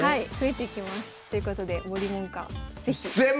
ということで森門下是非。